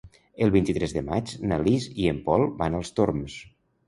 El vint-i-tres de maig na Lis i en Pol van als Torms.